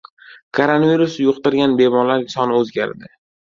Koronavirus yuqtirgan bemorlar soni o‘zgardi